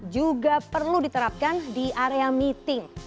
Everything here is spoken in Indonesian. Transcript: juga perlu diterapkan di area meeting